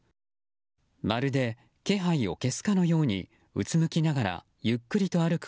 まるで気配を消すかのようにうつむきながらゆっくりと歩く